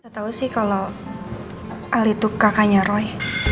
saya tau sih kalau ali itu kakaknya roy